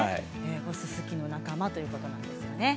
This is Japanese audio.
ススキの仲間ということなんですね。